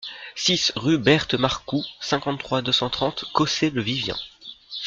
six rue Berthe Marcou, cinquante-trois, deux cent trente, Cossé-le-Vivien